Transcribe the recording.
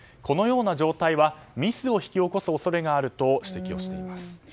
このような状態はミスを引き起こす恐れがあると指摘をしています。